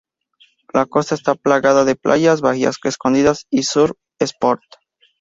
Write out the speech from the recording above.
La costa está plagada de playas, bahías escondidas y surf spots.